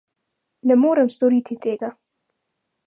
Ne morem storiti tega.